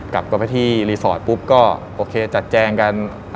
กลับไปที่รีสอร์ทปุ๊บก็โอเคจัดแจงกัน